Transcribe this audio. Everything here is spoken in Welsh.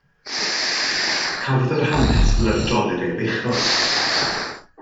Cafodd yr hanes fel yr adroddir ef uchod.